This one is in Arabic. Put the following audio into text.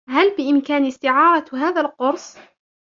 هل بإمكاني استعارة هذا القرص؟